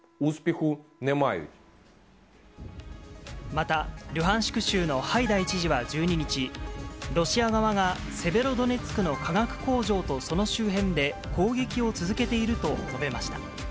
また、ルハンシク州のハイダイ知事は１２日、ロシア側が、セベロドネツクの化学工場とその周辺で攻撃を続けていると述べました。